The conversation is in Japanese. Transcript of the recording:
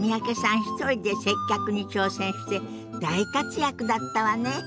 一人で接客に挑戦して大活躍だったわね。